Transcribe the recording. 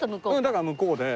だから向こうで。